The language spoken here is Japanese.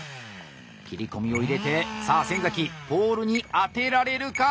切り込みを入れてさあ先ポールに当てられるか？